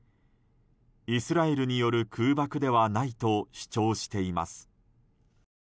イスラエルによる空爆ではないと主張しています。